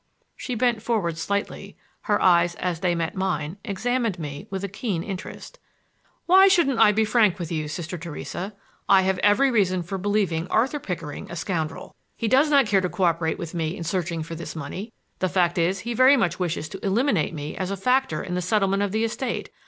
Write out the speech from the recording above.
She bent forward slightly; her eyes, as they met mine, examined me with a keen interest. "Why shouldn't I be frank with you, Sister Theresa? I have every reason for believing Arthur Pickering a scoundrel. He does not care to coöperate with me in searching for this money. The fact is that he very much wishes to eliminate me as a factor in the settlement of the estate.